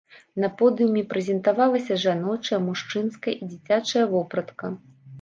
На подыуме прэзентавалася жаночая, мужчынская і дзіцячая вопратка.